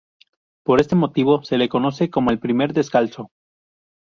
Por este motivo, se le conoce como el "primer descalzo".